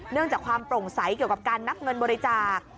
จากความโปร่งใสเกี่ยวกับการนับเงินบริจาค